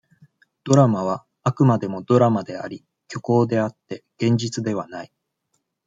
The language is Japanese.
ドラマは、あくまでもドラマであり、虚構であって、現実ではない。